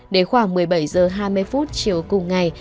đến khoảng một mươi bảy h hai mươi phút chiều cùng ngày